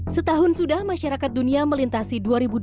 setahun sudah masyarakat dunia melintasi dua ribu dua puluh